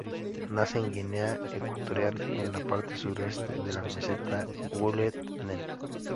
Nace en Guinea Ecuatorial en la parte suroeste de la meseta Woleu-Ntem.